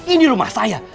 ini rumah saya